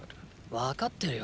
わかってるよ